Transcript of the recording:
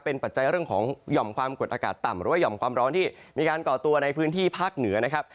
เป็นปัจจัยเรื่องของหย่อมความกดอากาศต่ำหรือว่าห่อมความร้อนที่มีการก่อตัวในพื้นที่ภาคเหนือนะครับ